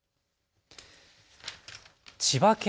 千葉県